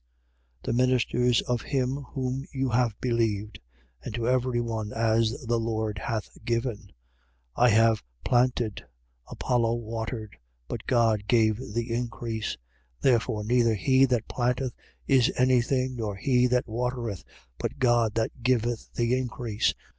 3:5. The ministers of him whom you have believed: and to every one as the Lord hath given. 3:6. I have planted, Apollo watered: but God gave the increase. 3:7. Therefore, neither he that planteth is any thing, nor he that watereth: but God that giveth the increase.